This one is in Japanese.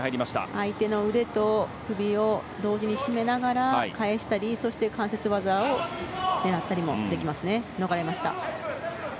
相手の腕と首を同時に絞めながら返したり関節技を狙ったりもできますね。